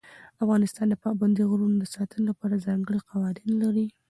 افغانستان د پابندي غرونو د ساتنې لپاره ځانګړي قوانین لري.